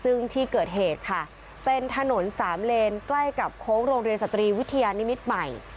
ซึ่งที่เกิดเหตุค่ะเป็นถนนสามเลนใกล้กับโค้งโรงเรียนสตรีวิทยานิมิตรใหม่